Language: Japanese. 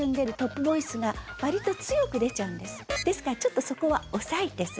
ですからちょっとそこは抑えてする。